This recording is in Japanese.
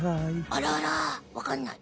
あらあらわかんない。